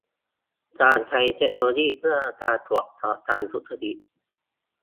การใช้เทคโนโลยีเพื่อการตรวจสอบการทุจริต